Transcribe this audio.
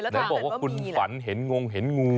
แล้วถ้าบอกว่าคุณฝันเห็นงงเห็นงู